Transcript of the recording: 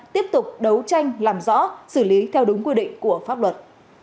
tiếp tục đấu tranh làm rõ xử lý theo đúng quy định của pháp luật